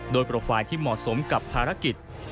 โดยโปรไฟล์ที่เหมาะสมกับภารกิจ